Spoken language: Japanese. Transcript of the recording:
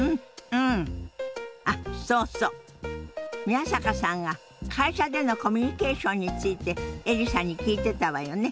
宮坂さんが会社でのコミュニケーションについてエリさんに聞いてたわよね。